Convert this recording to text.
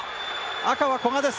赤は古賀です。